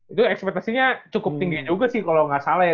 itu ekspektasinya cukup tinggi juga sih kalau nggak salah ya